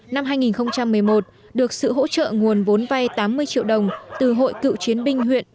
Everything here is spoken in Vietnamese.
năm hai nghìn một mươi một được sự hỗ trợ nguồn vốn vay tám mươi triệu đồng từ hội cựu chiến binh huyện